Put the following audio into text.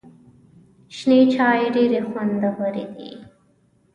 شنې چای ډېري خوندوري دي .